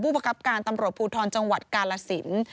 ประคับการตำรวจภูทรจังหวัดกาลสิน